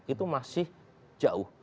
itu masih jauh